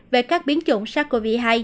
về các biến chủng sars cov hai